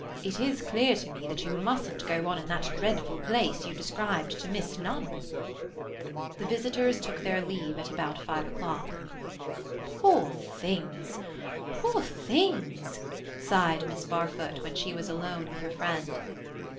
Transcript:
It is clear to me that you mustn't go on in that dreadful place you described to Miss Nunn." The visitors took their leave at about five o'clock. "Poor things! Poor things!" sighed Miss Barfoot, when she was alone with her friend.